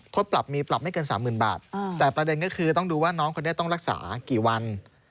โทษปรับมีปรับไม่เกิน๓๐๐๐บาทแต่ประเด็นก็คือต้องดูว่าน้องคนนี้ต้องรักษากี่วัน